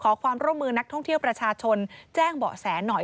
ขอความร่วมมือนักท่องเที่ยวประชาชนแจ้งเบาะแสหน่อย